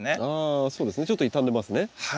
あそうですね。ちょっと傷んでますね。